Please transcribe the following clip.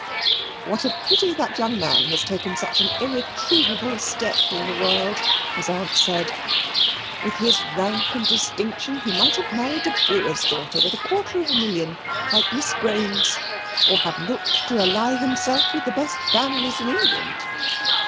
"What a pity that young man has taken such an irretrievable step in the world!" his aunt said; "with his rank and distinction he might have married a brewer's daughter with a quarter of a million like Miss Grains; or have looked to ally himself with the best families in England.